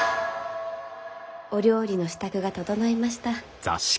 お料理の支度が整いました。